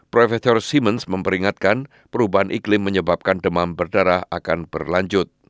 profesor simens memperingatkan perubahan iklim menyebabkan demam berdarah akan berlanjut